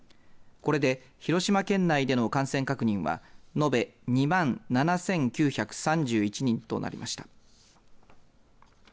これで広島県内での感染確認は延べ２万７９３１人となりました。